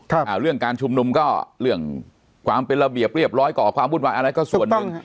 เรื่องการชุมนุมก็เรื่องความเป็นระเบียบเรียบร้อยก่อความวุ่นวายอะไรก็ส่วนหนึ่ง